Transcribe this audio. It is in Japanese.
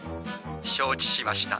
承知しました。